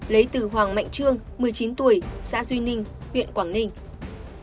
lấy từ hoàng mạnh trương một mươi chín tuổi xã duy ninh huyện quảng ninh